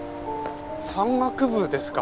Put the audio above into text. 山岳部ですか。